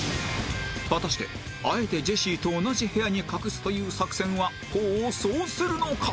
果たしてあえてジェシーと同じ部屋に隠すという作戦は功を奏するのか？